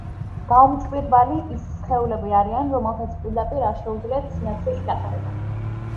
გაუმჭვირვალი ის სხეულები არიან, რომელთაც პირდაპირ არ შეუძლიათ სინათლის გატარება.